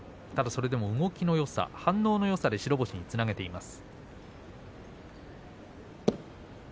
でも動きのよさ、反応のよさで白星につなげています。